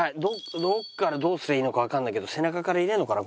どこからどうすりゃいいのかわかんないけど背中から入れるのかな？